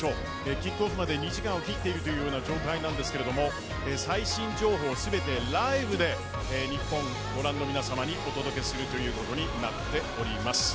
キックオフまで２時間を切っているというような状態なんですけれども、最新情報全てライブで日本のご覧の皆さんにお届けするということになっております。